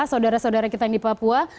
saudara saudara kita yang di papua